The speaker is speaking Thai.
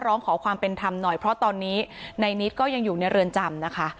ร้องขอความเป็นธรรมหน่อยเพราะตอนนี้ในนิดก็ยังอยู่ในเรือนจำนะคะ